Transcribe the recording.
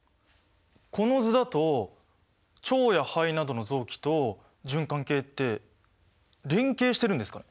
この図だと腸や肺などの臓器と循環系って連携してるんですかね？